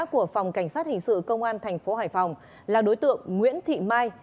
của phòng cảnh sát hình sự công an thành phố hải phòng là đối tượng nguyễn thị mai